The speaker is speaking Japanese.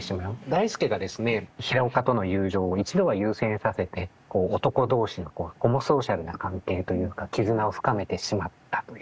代助がですね平岡との友情を一度は優先させてこう男同士のホモソーシャルな関係というか絆を深めてしまったという。